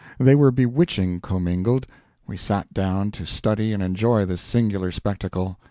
They were bewitching commingled. We sat down to study and enjoy this singular spectacle.